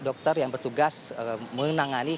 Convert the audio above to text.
dokter yang bertugas menangani